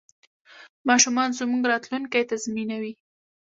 ماشومان زموږ راتلونکی تضمینوي.